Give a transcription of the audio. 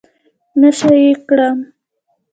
نشه يي کړم.